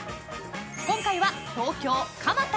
今回は東京・蒲田。